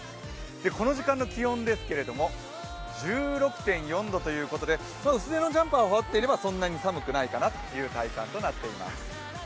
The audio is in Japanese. この時間の気温ですけれども１６．４度ということで薄手のジャンパーを羽織っていれば、そんなに寒くないかなという体感となっています。